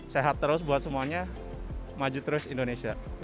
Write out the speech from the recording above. sehat terus buat semuanya maju terus indonesia